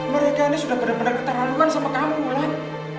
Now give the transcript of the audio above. mereka ini sudah bener bener keterlaluan sama kamu mulan